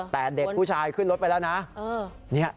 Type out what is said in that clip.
แต่เด็กผู้ชายขึ้นรถไปแล้วนะ